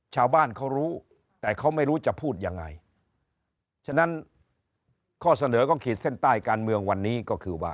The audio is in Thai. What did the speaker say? ชาวบ้านเขารู้แต่เขาไม่รู้จะพูดยังไงฉะนั้นข้อเสนอของขีดเส้นใต้การเมืองวันนี้ก็คือว่า